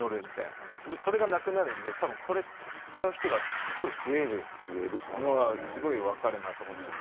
でも、それがなくなるんでこれ使う人がすごい増えるのが分かるなと思っていて。